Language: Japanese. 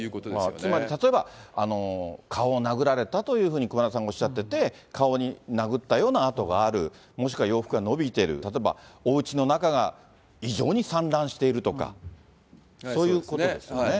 つまり例えば、顔を殴られたというふうに熊田さんがおっしゃってて、顔に殴ったような痕がある、もしくは洋服がのびてる、例えばおうちの中が異常に散乱しているとか、そういうことですよ